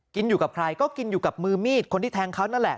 กินอยู่กับใครก็กินอยู่กับมือมีดคนที่แทงเขานั่นแหละ